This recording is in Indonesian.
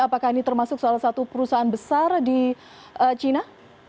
apakah ini termasuk salah satu perusahaan besar di cina